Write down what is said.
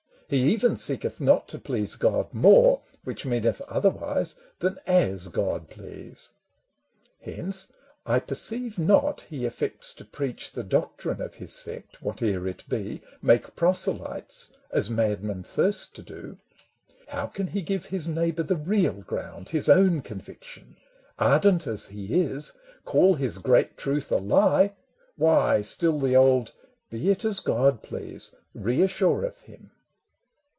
He even seeketh not to please God more (Which meaneth, otherwise) than as God please. Hence, I perceive not he affects to preach The doctrine of his sect whate'er it be, Make proselytes as madmen thirst to do : How can he give his neighbour the real ground, His own conviction? Ardent as he is — Call his great truth a lie, why, still the old " Be it as God please " reassureth him.